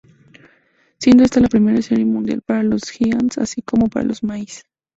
Siendo esta la primera serie mundial para los Giants así como para Mays.